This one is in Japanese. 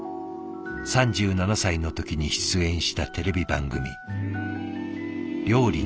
３７歳の時に出演したテレビ番組「料理の鉄人」。